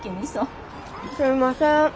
すいません。